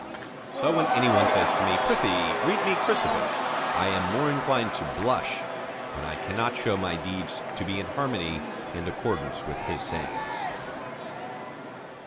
So when any one says to me, Prithee, read me Chrysippus, I am more inclined to blush, when I cannot show my deeds to be in harmony and accordance with his sayings.